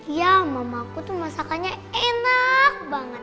iya mamaku tuh masakannya enak banget